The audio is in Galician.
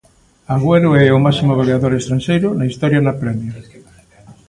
Agüero é o máximo goleador estranxeiro na historia na Prémier.